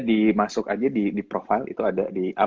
dimasuk aja di profile itu ada di